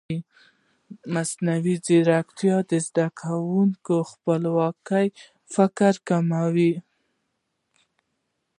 ایا مصنوعي ځیرکتیا د زده کوونکي خپلواک فکر نه کموي؟